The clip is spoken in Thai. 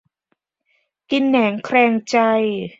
กินแหนงแคลงใจ